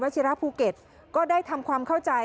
ชิระภูเก็ตก็ได้ทำความเข้าใจ